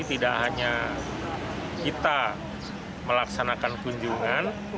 tidak hanya kita melaksanakan kunjungan